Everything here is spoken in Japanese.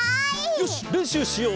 よしれんしゅうしよう！